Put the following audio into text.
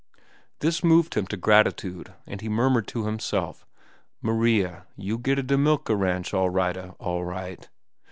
This moved him to gratitude, and he murmured to himself, "Maria, you getta da milka ranch, all righta, all right."